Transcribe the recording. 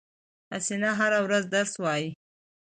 حسینه هره ورځ درس وایی